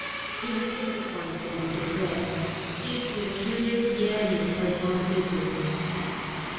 He was disappointed and depressed, seized with a curious yearning for his own people.